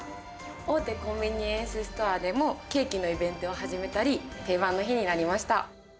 大手コンビニエンスストアでもケーキのイベントを始めたり定番の日になりました。